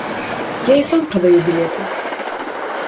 І я сам прадаю білеты.